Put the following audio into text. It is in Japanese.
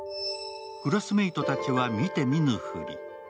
クラスメートたちは見て見ぬ振り。